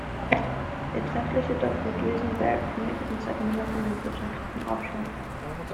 Der treffliche Doktor Duisenberg kündigt uns seit Monaten den wirtschaftlichen Aufschwung an.